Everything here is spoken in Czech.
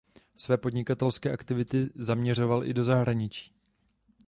Své podnikatelské aktivity zaměřoval i do zahraničí.